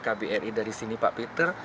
kbri dari sini pak peter